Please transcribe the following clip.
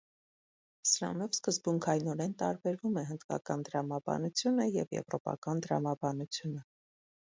Սրանով սկզբունքայնորեն տարբերվում է հնդկական տրամաբանությունը և եվրոպական տրամաբանությունը։